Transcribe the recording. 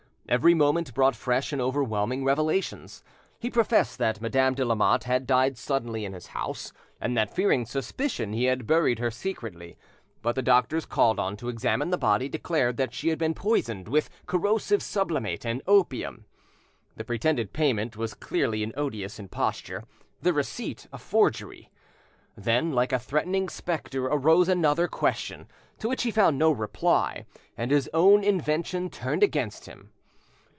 Every moment brought fresh and overwhelming revelations. He professed that Madame de Lamotte had died suddenly in his house, and that, fearing suspicion, he had buried her secretly. But the doctors called on to examine the body declared that she had been poisoned with corrosive sublimate and opium. The pretended payment was clearly an odious imposture, the receipt a forgery! Then, like a threatening spectre, arose another question, to which he found no reply, and his own invention turned against him.